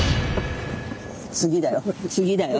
次だよ